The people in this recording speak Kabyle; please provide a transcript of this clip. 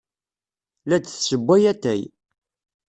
La d-tessewway atay.